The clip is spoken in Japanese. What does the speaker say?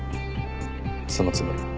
そのつもり。